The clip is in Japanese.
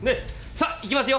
さあ行きますよ。